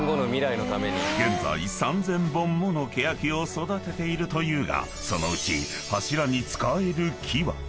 ［現在３，０００本ものケヤキを育てているというがそのうち柱に使える木は］